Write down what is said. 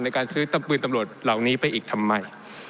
ในการซื้อปืนตำรวจเหล่านี้ไปอีกทำไม